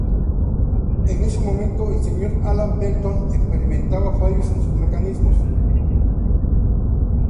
En ese momento el señor Allan Pelton experimentaba fallos en sus mecanismos.